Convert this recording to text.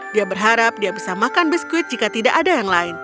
dia berharap dia bisa makan biskuit jika tidak ada yang lain